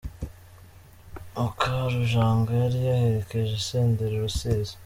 Mukarujanga yari yaherekeje Senderi i Rusizi.